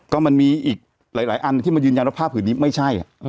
ก็มันมีอีกหลายหลายอันที่มันยืนยันรับภาพผิดนี้ไม่ใช่อ่ะอืม